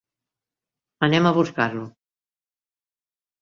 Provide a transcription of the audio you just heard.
Anem a buscar-lo!